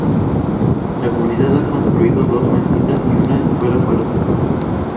La comunidad ha construido dos mezquitas y una escuela para sus hijos.